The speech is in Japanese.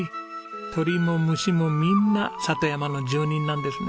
鳥も虫もみんな里山の住人なんですね。